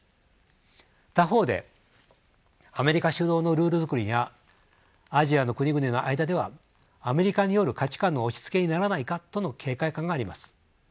他方でアメリカ主導のルールづくりにはアジアの国々の間ではアメリカによる価値観の押しつけにならないかとの警戒感があります。